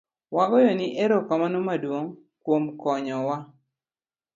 Wagoyo ni erokamano maduong' kuom konyo wa